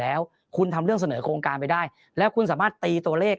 แล้วคุณทำเรื่องเสนอโครงการไปได้แล้วคุณสามารถตีตัวเลข